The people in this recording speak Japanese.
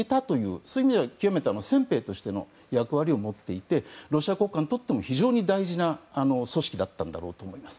そういう意味ではきわめて先兵としての役割を持っていてロシア国家にとっても非常に大事な組織だったと思います。